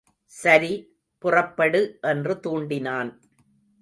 சரி, புறப்படு என்று தூண்டினான்.